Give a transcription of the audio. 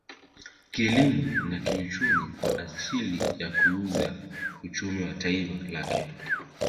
Kielimu na kiuchumi kwa ajili ya kuukuza uchumi wa taifa lake